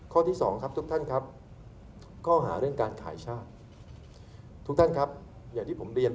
ข้อที่สองครับทุกท่านครับข้อหาเรื่องการขายชาติ